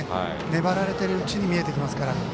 粘られているうちに見えてきますから。